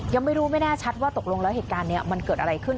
ยังไม่รู้ไม่แน่ชัดว่าตกลงแล้วเหตุการณ์นี้มันเกิดอะไรขึ้น